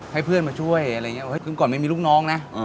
ให้เพื่อนมาช่วยอะไรอย่างนี้ก่อนไม่มีลูกน้องนะ